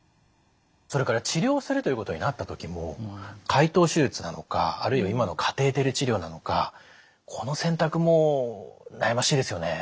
それから治療するということになった時も開頭手術なのかあるいは今のカテーテル治療なのかこの選択も悩ましいですよね。